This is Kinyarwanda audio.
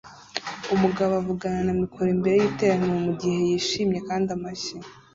umugabo avugana na mikoro imbere yiteraniro mugihe yishimye kandi amashyi